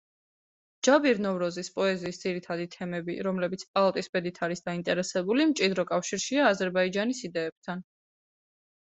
ჯაბირ ნოვროზის პოეზიის ძირითადი თემები, რომლებიც პალატის ბედით არის დაინტერესებული, მჭიდრო კავშირშია აზერბაიჯანის იდეებთან.